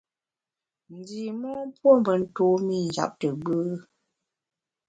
Ndi mon puo me ntumî njap te gbù.